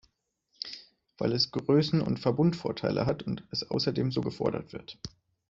Weil es Größenund Verbundvorteile hat und es außerdem so gefordert wird.